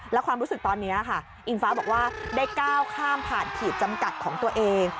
แล้วความรู้สึกตอนนี้ค่ะอิงฟ้าบอกว่าได้ก้าวข้ามผ่านขีดจำกัดของตัวเอง